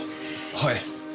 はい。